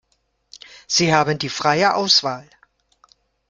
Sie haben freie Auswahl.